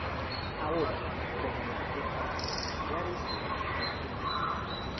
Ahora, como en la mayor parte de las Baleares se basa en el turismo.